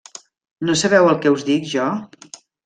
-No sabeu el què us dic jo?